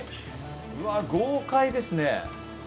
うわっ豪快ですね。